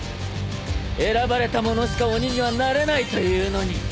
選ばれた者しか鬼にはなれないというのに。